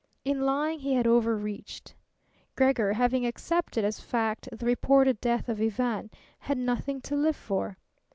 In lying he had overreached. Gregor, having accepted as fact the reported death of Ivan, had nothing to live for.